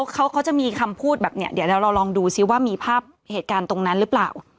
เขาจะมีคำพูดแบบนี้เดี๋ยวเราลองดูซิว่ามีภาพเหตุการณ์ตรงนั้นหรือเปล่า